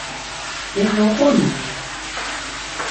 Bere uqonuni?